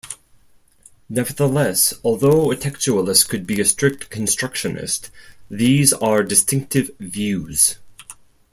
Nevertheless, although a textualist could be a strict constructionist, these are distinctive views.